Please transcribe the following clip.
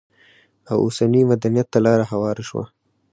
او اوسني مدنيت ته لار هواره شوه؛